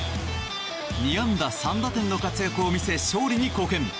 ２安打３打点の活躍を見せ勝利に貢献。